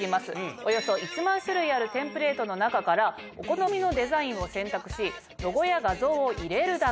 およそ１万種類あるテンプレートの中からお好みのデザインを選択しロゴや画像を入れるだけ。